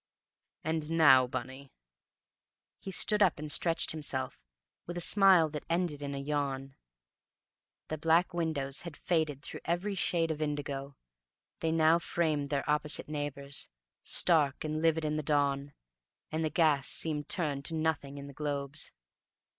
And now, Bunny " He stood up and stretched himself, with a smile that ended in a yawn. The black windows had faded through every shade of indigo; they now framed their opposite neighbors, stark and livid in the dawn; and the gas seemed turned to nothing in the globes.